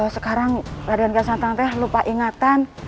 sekarang raden gas santang teh lupa ingatan